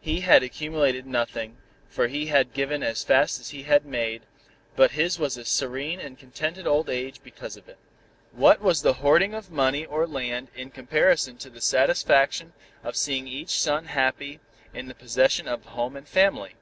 He had accumulated nothing, for he had given as fast as he had made, but his was a serene and contented old age because of it. What was the hoarding of money or land in comparison to the satisfaction of seeing each son happy in the possession of a home and family?